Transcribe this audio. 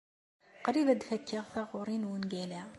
Qrib ad fakeɣ taɣuri n wungal-a.